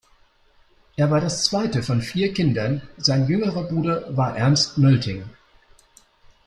Er war das zweite von vier Kindern, sein jüngerer Bruder war Ernst Nölting.